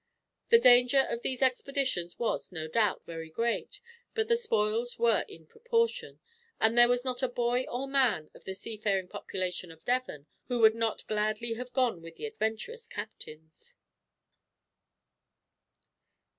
The danger of these expeditions was, no doubt, very great; but the spoils were in proportion, and there was not a boy or man of the seafaring population of Devon who would not gladly have gone with the adventurous captains.